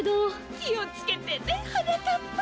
きをつけてねはなかっぱ。